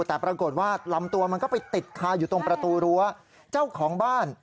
แต่ปรากฏว่าลำตัวมันก็ไปติดคาอยู่ตรงประตูรั้วเจ้าของบ้าน